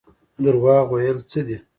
دروغ ویل څه دي؟